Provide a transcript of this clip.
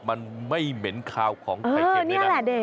มันไม่เหม็นคาวของไข่เค็มด้วยนะ